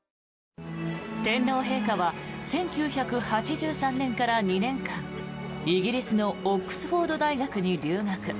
天皇陛下は１９８３年から２年間イギリスのオックスフォード大学に留学。